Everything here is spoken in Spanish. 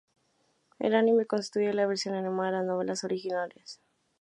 El anime constituye la versión animada de las novelas originales.